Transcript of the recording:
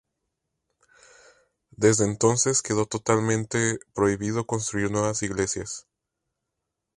Desde entonces quedó totalmente prohibido construir nuevas iglesias.